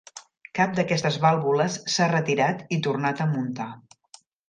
Cap d"aquestes vàlvules s"ha retirat i tornat a muntar.